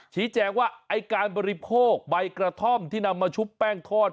ชี้แจงว่าไอ้การบริโภคใบกระท่อมที่นำมาชุบแป้งทอด